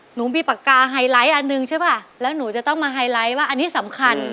หนูมีปากกาไฮไลท์อันหนึ่งใช่ป่ะแล้วหนูจะต้องมาไฮไลท์ว่าอันนี้สำคัญ